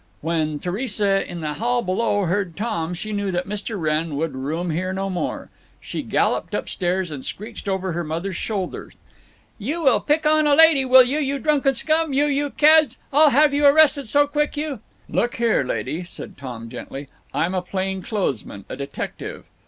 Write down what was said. When Theresa, in the hall below, heard Tom, she knew that Mr. Wrenn would room here no more. She galloped up stairs and screeched over her mother's shoulder: "You will pick on a lady, will you, you drunken scum—you—you cads—I'll have you arrested so quick you—" "Look here, lady," said Tom, gently. "I'm a plain clothes man, a detective."